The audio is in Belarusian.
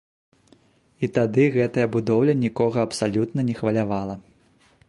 І тады гэтая будоўля нікога абсалютна не хвалявала.